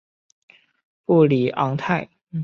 布里昂泰。